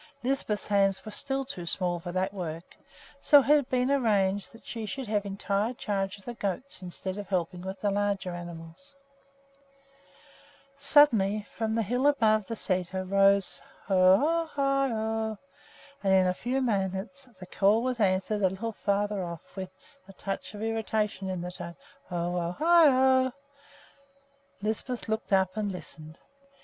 Lisbeth's hands were still too small for that work, so it had been arranged that she should have entire charge of the goats instead of helping with the larger animals. Suddenly from the hill above the sæter rang out "Ho o i ho!" and in a few minutes the call was answered a little farther off with a touch of irritation in the tone, "Ho o i ho!" [Illustration: UP AT THE SÆTER] Lisbeth looked up and listened.